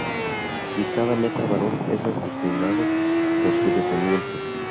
Y cada meta barón es asesinado por su descendiente.